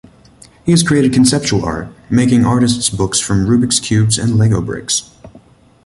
He has created conceptual art, making artist's books from Rubik's Cubes and Lego bricks.